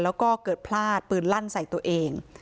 แล้วก็เกิดพลาดปืนลั่นใส่ตัวเอง